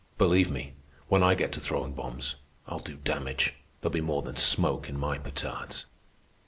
Believe me, when I get to throwing bombs, I'll do damage. There'll be more than smoke in my petards."